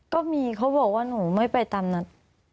ก็มีเขาบอกว่าหนูไม่ไปตามนัด